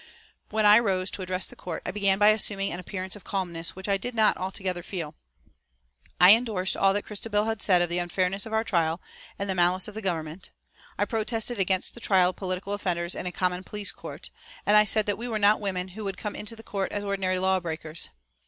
When I rose to address the Court I began by assuming an appearance of calmness which I did not altogether feel. I endorsed all that Christabel had said of the unfairness of our trial and the malice of the Government; I protested against the trial of political offenders in a common police court, and I said that we were not women who would come into the court as ordinary law breakers.